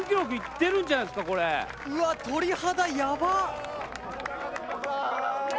うわっ鳥肌やばっ！